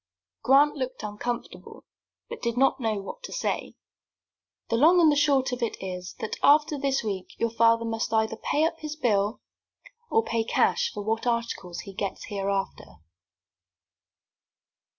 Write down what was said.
Grant looked uncomfortable, but did not know what to say. "The short and the long of it is, that after this week your father must either pay up his bill, or pay cash for what articles he gets hereafter."